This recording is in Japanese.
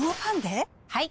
はい！